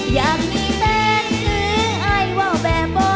อยากมีแฟนถือไอว่าวแบบบ่